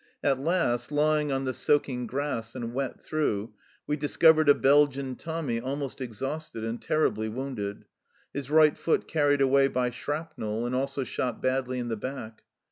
At last, lying on the soaking grass and wet through, we discovered a Belgian Tommy almost exhausted and terribly wounded ; his right foot carried away by shrapnel and also shot badly in the back.